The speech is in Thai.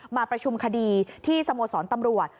มาประชุมคดีที่สโมสรตำรวจ